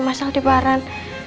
masyarakat di baran